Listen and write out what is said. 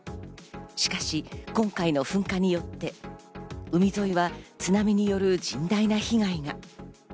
しかし今回の噴火によって海沿いは津波による甚大な被害が。